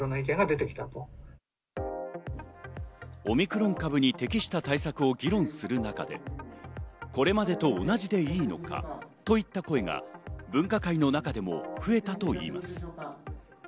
オミクロン株に適した対策を議論する中で、これまでと同じでいいのか、といった声が分科会の中でも増えたといいます。